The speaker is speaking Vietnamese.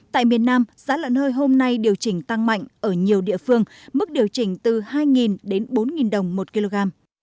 tại miền nam giá lợn hơi hôm nay điều chỉnh tăng mạnh ở nhiều địa phương mức điều chỉnh từ hai đến bốn đồng một kg